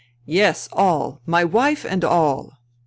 " Yes, all — my wife and all.'